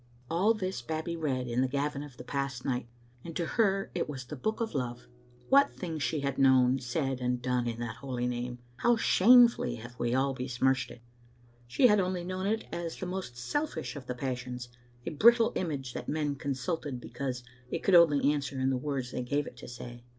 All this Babbie read in the Gavin of the past night, and to her it was the book of love. What things she had known, said and done in that holy name! How shamefully have we all besmirched it ! She had only known it as the most selfish of the passions, a brittle image that men consulted because it could only answer in the words they gave it to say.